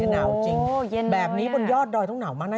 นาวจริงยนต์เลยอะเป็นนี่บนยอดดอยต้องหนาวมากนะคะ